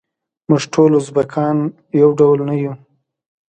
موږ ټول ازبیکان یو ډول نه یوو.